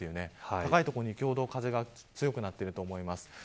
高い所は風が強くなっていると思います。